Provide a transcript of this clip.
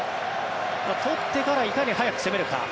取ってからいかに早く攻めるか。